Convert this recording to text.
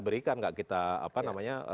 berikan gak kita apa namanya